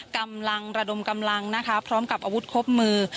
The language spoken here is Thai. กำลังระดมกำลังนะคะพร้อมกับอาวุธครบมือ